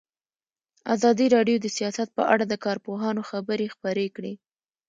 ازادي راډیو د سیاست په اړه د کارپوهانو خبرې خپرې کړي.